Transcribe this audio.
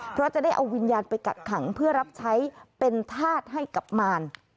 เพราะจะได้เอาวิญญาณไปกักขังเพื่อรับใช้เป็นธาตุให้กับมาร